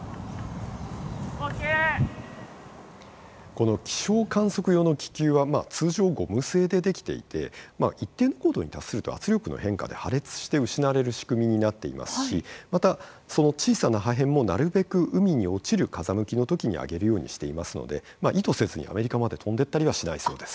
この気象観測用の気球は通常ゴム製で出来ていてまあ一定の高度に達すると圧力の変化で破裂して失われる仕組みになっていますしまたその小さな破片もなるべく海に落ちる風向きの時に上げるようにしていますので意図せずにアメリカまで飛んでったりはしないそうです。